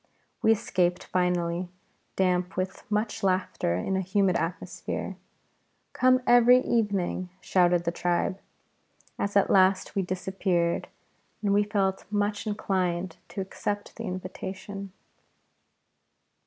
We escaped finally, damp with much laughter in a humid atmosphere. "Come every evening!" shouted the tribe, as at last we disappeared, and we felt much inclined to accept the invitation.